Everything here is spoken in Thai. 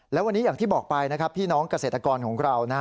และวันนี้อย่างที่บอกไปนะครับพี่น้องเกษตรกรของเรานะฮะ